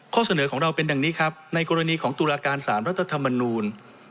เสนอของเราเป็นดังนี้ครับในกรณีของตุลาการสารรัฐธรรมนูล